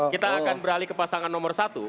kita akan beralih ke pasangan nomor satu